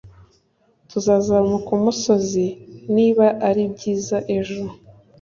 tuzazamuka umusozi niba ari byiza ejo.